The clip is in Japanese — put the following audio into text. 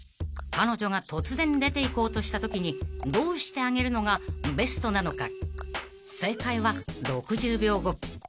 ［彼女が突然出ていこうとしたときにどうしてあげるのがベストなのか］